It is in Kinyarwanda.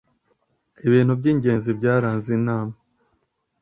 Ibintu by’ingenzi byaranze inama